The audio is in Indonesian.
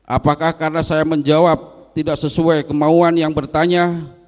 apakah karena saya menjawab tidak sesuai kemauan yang bertanya